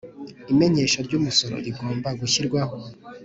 Imenyesha ry umusoro rigomba gushyirwaho